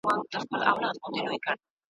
له اسمانه مي راغلی بیرغ غواړم ,